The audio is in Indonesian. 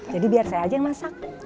jadi biar saya aja yang masak